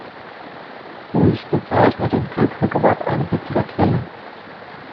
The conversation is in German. Uis bezeichnet in Khoekhoegowab eine „bittere Quelle“.